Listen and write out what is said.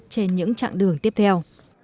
trên những trạng đường tiếp theo